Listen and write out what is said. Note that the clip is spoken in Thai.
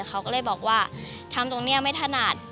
เขาก็เลยบอกว่าทำตรงนี้ไม่ถนัด